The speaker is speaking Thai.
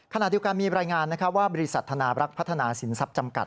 ขณะเดียวกันมีรายงานว่าบริษัทธนาบรักษ์พัฒนาสินทรัพย์จำกัด